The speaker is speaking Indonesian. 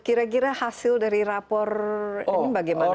kira kira hasil dari rapor ini bagaimana